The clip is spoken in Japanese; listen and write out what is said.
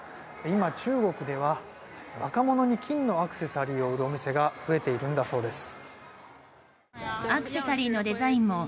今、中国では若者に金のアクセサリーを売るお店が増えているんだそうです。